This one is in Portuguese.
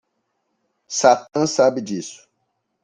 Satã sabe disso.